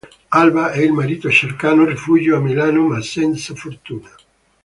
Alba e il marito cercano rifugio a Milano, ma senza fortuna.